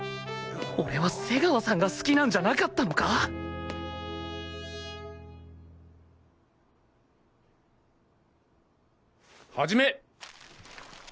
俺は瀬川さんが好きなんじゃなかったのか！？始め。